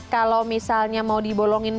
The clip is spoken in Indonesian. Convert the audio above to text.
kalau misalnya mau dibolongin